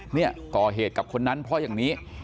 เนี่ยก่อเหตุกับคนนั้นเพราะอย่างนี้